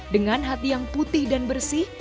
dengan hati yang putih dan bersih